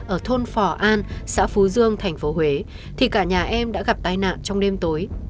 ở thôn phỏ an xã phú dương thành phố huế thì cả nhà em đã gặp tai nạn trong đêm tối